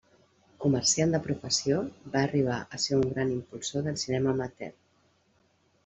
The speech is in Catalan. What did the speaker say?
Comerciant de professió, va arribar a ser un gran impulsor del cinema amateur.